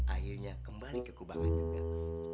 akhirnya kembali ke kubangan